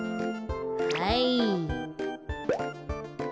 はい。